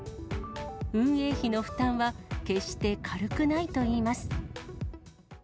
運営費の負担は決して軽くないといいます。